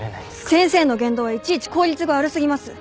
先生の言動はいちいち効率が悪すぎます。